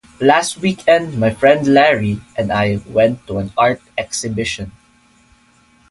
Last weekend, my friend Larry and I went to an art exhibition.